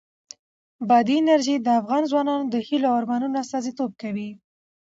بادي انرژي د افغان ځوانانو د هیلو او ارمانونو استازیتوب کوي.